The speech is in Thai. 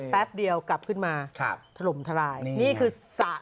แป๊บเดียวกลับขึ้นมาถล่มทลายนี่คือสระ